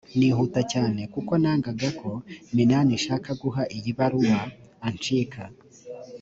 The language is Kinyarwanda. nihuta cyane kuko nangaga ko minani nshaka guha iyi baruwa anshika